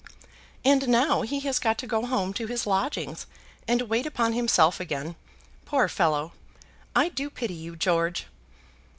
"And now he has got to go home to his lodgings, and wait upon himself again. Poor fellow! I do pity you, George."